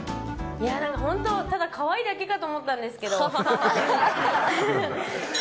本当、ただ可愛いだけかと思ったんですけど。